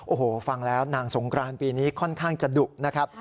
โอ้โหฟังแล้วนางสงกรานปีนี้ค่อนข้างจะดุนะครับ